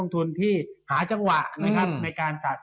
ถูกต้องนะครับ